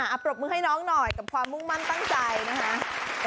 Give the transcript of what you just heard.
ปรบมือให้น้องหน่อยกับความมุ่งมั่นตั้งใจนะคะ